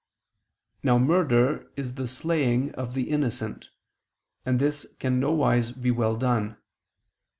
Now murder is the slaying of the innocent, and this can nowise be well done.